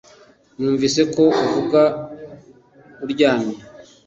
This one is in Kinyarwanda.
Numvise ko uvuga uryamye